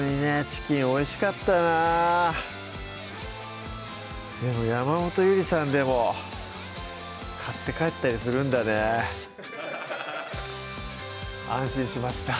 チキンおいしかったなでも山本ゆりさんでも買って帰ったりするんだね安心しました